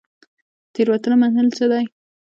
تیروتنه منل څه دي؟